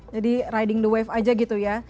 jadi riding the wave aja gitu ya